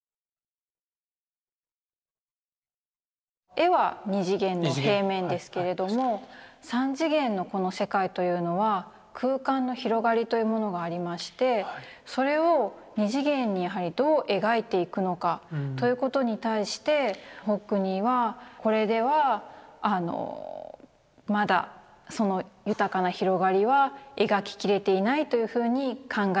絵は２次元の平面ですけれども３次元のこの世界というのは空間の広がりというものがありましてそれを２次元にやはりどう描いていくのかということに対してホックニーはこれではまだその豊かな広がりは描き切れていないというふうに考えるようにどんどんなっていくんです。